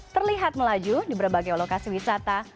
terlihat melaju di berbagai lokasi wisata